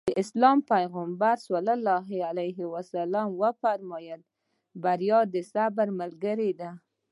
د اسلام پيغمبر ص وفرمايل بريا د صبر ملګرې ده.